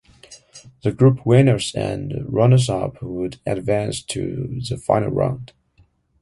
The group winners and runners-up would advance to the final round.